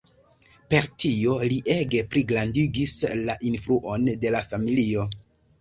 Per tio li ege pligrandigis la influon de la familio.